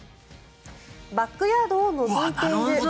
バックヤードをのぞいている。